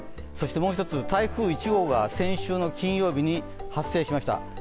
そしてもう１つ、台風１号が先週の金曜日に発生しました。